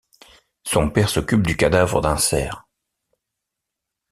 Son père s'occupe du cadavre d'un cerf.